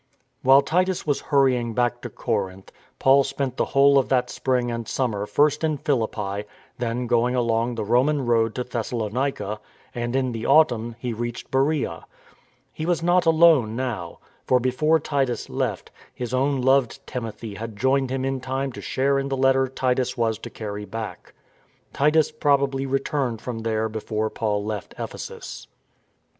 . While Titus was hurrying back to Corinth, Paul spent the whole of that spring and summer first in Philippi, then going along the Roman road to Thes salonica, and in the autumn he reached Beroea. He was not alone now; for before Titus left, his own loved Timothy had joined him in time to share in the letter Titus was to carry back. Titus probably returned from there before Paul left Ephesus.